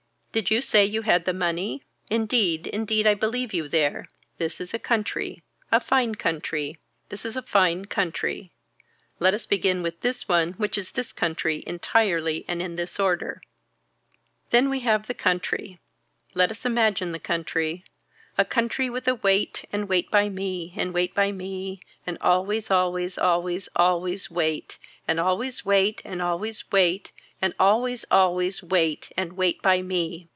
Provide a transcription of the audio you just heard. Did you say you had the money. Indeed indeed I believe you there. This is a country. A fine country. This is a fine country. Let us begin with this one which is this country entirely and in this order. Then we have the country. Let us imagine the country. A country with a wait and wait by me and wait by me and always always always always wait and always wait and always wait and always always wait and wait by me.